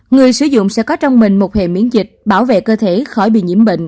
người sử dụng sẽ có trong mình một hệ miễn dịch bảo vệ cơ thể khỏi bị nhiễm bệnh